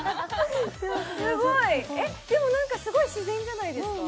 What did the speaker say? すごいえっでも何かすごい自然じゃないですか？